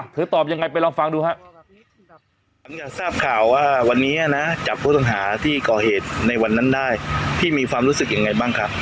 เธอตอบยังไงไปลองฟังดูค่ะอยากทราบข่าวว่าวันนี้นะจับผู้ทันหาที่ก่อเหตุในวันนั้นได้ที่มีความรู้สึกยังไงบ้างค่ะ